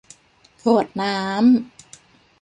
กรวดน้ำ